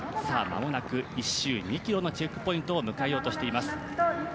間もなく１周２ｋｍのチェックポイントを迎えようとしています。